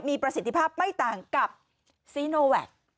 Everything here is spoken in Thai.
มีประสิทธิภาพไม่ต่างกับซีโนแวค